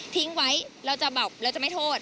ทิ้งไว้เราจะแบบเราจะไม่โทษ